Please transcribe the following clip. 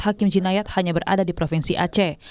hakim jinayat hanya berada di provinsi aceh